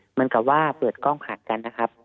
เหมือนกับว่าเปิดกล้องผัดกันนะครับ